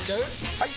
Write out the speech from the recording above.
・はい！